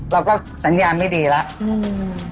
เราก็สัญญาณไม่ดีแล้ว